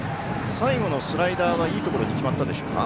最後のスライダーはいいところに決まったでしょうか。